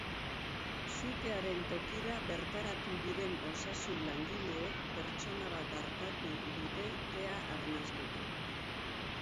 Sutearen tokira bertaratu diren osasun langileek pertsona bat artatu dute, kea arnastuta.